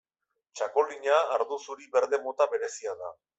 Txakolina ardo zuri-berde mota berezia da.